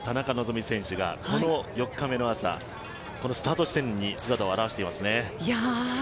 ３種目に出場する田中希実選手がこの４日目の朝、スタート地点に姿を現していますね。